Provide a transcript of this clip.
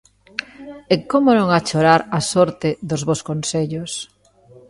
... E como non ha chorar a sorte dos bos consellos!